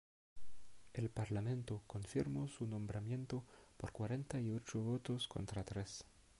El parlamento confirmó su nombramiento por cuarenta y ocho votos contra tres.